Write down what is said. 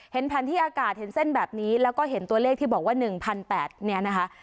เห็นแผนที่อากาศเห็นเส้นแบบนี้แล้วก็เห็นตัวเลขที่บอกว่า๑๘๐๐เนี่ยนะคะ